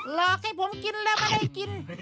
หลอกให้ผมกินแล้วก็ได้กิน